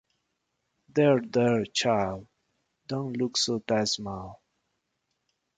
There, there, child, don’t look so dismal.